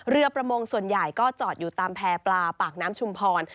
ประมงส่วนใหญ่ก็จอดอยู่ตามแพร่ปลาปากน้ำชุมพร